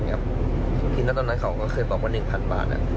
ทีนี้ตอนนั้นเขาก็เคยบอกว่า๑๐๐บาท